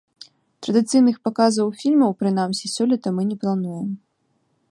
Традыцыйных паказаў фільмаў, прынамсі, сёлета мы не плануем.